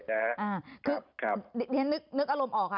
เทียนนึกอารมณ์ออกค่ะ